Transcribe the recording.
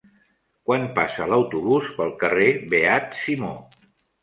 Quan passa l'autobús pel carrer Beat Simó?